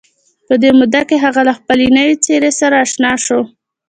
په دې موده کې هغه له خپلې نوې څېرې سره اشنا شو